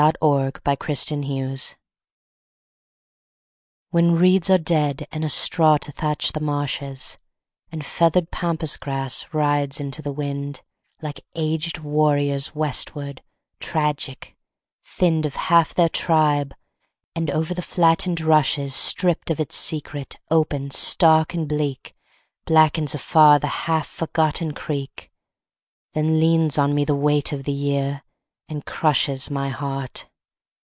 THE DEATH OF AUTUMN When reeds are dead and a straw to thatch the marshes, And feathered pampas grass rides into the wind Like aged warriors westward, tragic, thinned Of half their tribe, and over the flattened rushes, Stripped of its secret, open, stark and bleak, Blackens afar the half forgotten creek, Then leans on me the weight of the year, and crushes My heart.